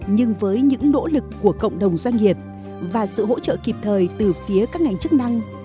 nhưng với những nỗ lực của cộng đồng doanh nghiệp và sự hỗ trợ kịp thời từ phía các ngành chức năng